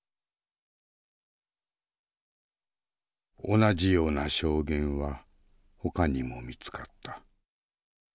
同じような証言はほかにも見つかった。